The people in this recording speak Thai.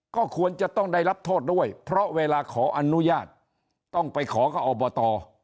ก็ควรจะต้องได้รับโทษด้วยเพราะเวลาขออนุญาตต้องไปขอกับอบต